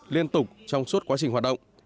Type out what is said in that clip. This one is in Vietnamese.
liên tục trong suốt quá trình hoạt động